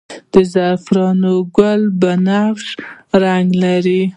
د زعفران ګلونه بنفش رنګ لري